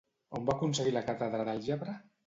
On va aconseguir la càtedra d'àlgebra?